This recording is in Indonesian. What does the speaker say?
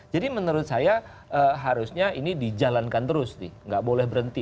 jadi menurut saya harusnya ini dijalankan terus nih gak boleh berhenti